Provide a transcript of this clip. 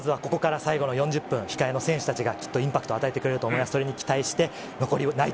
ここから最後の４０分、控えの選手たちがインパクトを与えてくれると思います。